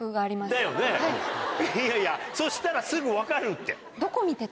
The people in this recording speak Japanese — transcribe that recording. だよねいやいやそしたらすぐ分かるって。